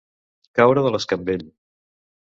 Caure de l'escambell.